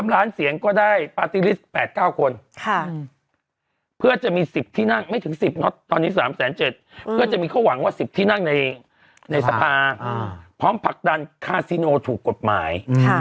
๓ล้านเสียงก็ได้ปาร์ตี้ลิสต์๘๙คนเพื่อจะมี๑๐ที่นั่งไม่ถึง๑๐เนอะตอนนี้๓๗๐๐เพื่อจะมีข้อหวังว่า๑๐ที่นั่งในสภาพร้อมผลักดันคาซิโนถูกกฎหมาย